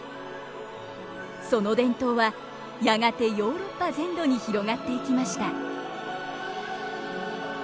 その伝統はやがてヨーロッパ全土に広がっていきました。